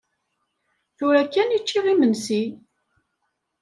Tura kan i ččiɣ imensi.